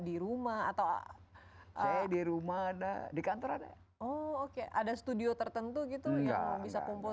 di rumah atau saya di rumah ada di kantor ada oh oke ada studio tertentu gitu yang bisa kumpul